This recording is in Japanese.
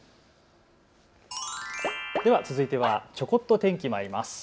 では続いてはちょこっと天気まいります。